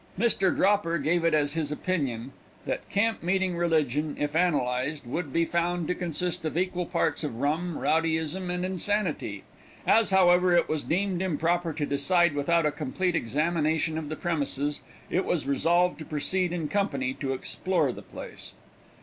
Mr. Dropper gave it as his opinion, that camp meeting religion, if analyzed, would be found to consist of equal parts of rum, rowdyism, and insanity. As, however, it was deemed improper to decide without a complete examination of the premises, it was resolved to proceed in company to explore the place.